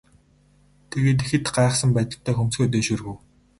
Тэгээд ихэд гайхсан байдалтай хөмсгөө дээш өргөв.